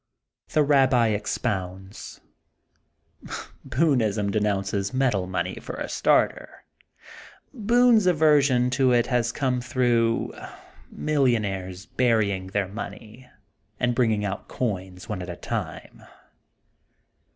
The Babbi expounds: Boonism de nounces metal money for a starter. Boone's aversion to it has come through millionaires burying their money and bringing out coins one at a time.